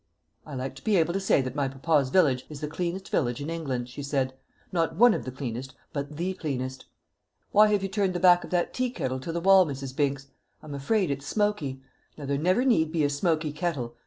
"I like to be able to say that my papa's village is the cleanest village in England," she said; "not one of the cleanest, but the cleanest. Why have you turned the back of that tea kettle to the wall, Mrs. Binks? I'm afraid it's smoky. Now there never need be a smoky kettle.